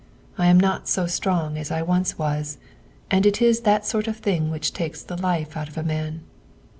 I am not so strong as I once was, and it is that sort of thing which takes the life out of a man."